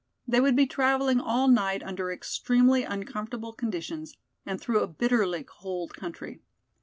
They would be traveling all night under extremely uncomfortable conditions and through a bitterly cold country.